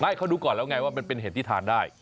เขาดูก่อนแล้วไงว่ามันเป็นเห็ดที่ทานได้